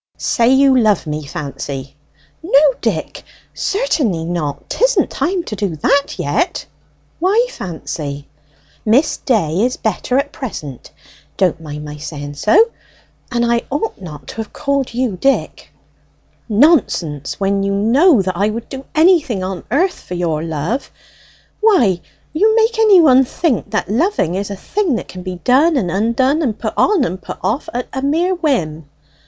"Say you love me, Fancy." "No, Dick, certainly not; 'tisn't time to do that yet." "Why, Fancy?" "'Miss Day' is better at present don't mind my saying so; and I ought not to have called you Dick." "Nonsense! when you know that I would do anything on earth for your love. Why, you make any one think that loving is a thing that can be done and undone, and put on and put off at a mere whim."